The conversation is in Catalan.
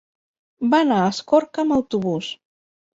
Va anar a Escorca amb autobús.